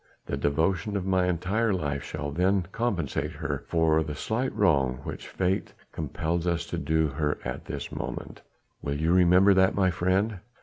The devotion of my entire life shall then compensate her for the slight wrong which fate compels us to do her at this moment. Will you remember that, my friend?"